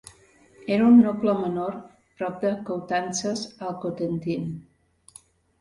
Era un noble menor prop de Coutances al Cotentin.